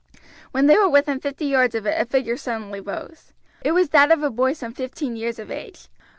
When they were within fifty yards of it a figure suddenly rose. It was that of a boy some fifteen years of age.